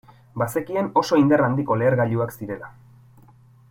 Bazekien oso indar handiko lehergailuak zirela.